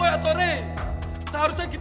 gak apa apaan sih